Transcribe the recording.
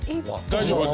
大丈夫？